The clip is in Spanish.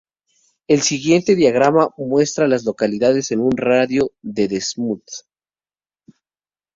El siguiente diagrama muestra a las localidades en un radio de de Smoot.